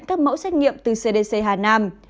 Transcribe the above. các mẫu xét nghiệm từ cdc hà nam